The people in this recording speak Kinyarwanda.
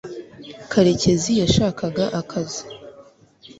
karekezi yashakaga akazi